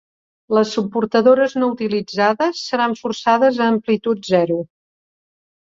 Les subportadores no utilitzades seran forçades a amplitud zero.